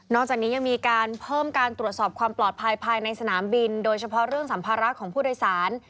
จากนี้ยังมีการเพิ่มการตรวจสอบความปลอดภัยภายในสนามบินโดยเฉพาะเรื่องสัมภาระของผู้โดยสาร